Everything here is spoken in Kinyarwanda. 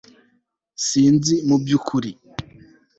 sinzi mubyukuri